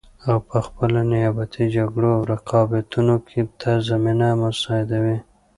او پخپله نیابتي جګړو او رقابتونو ته زمینه مساعدوي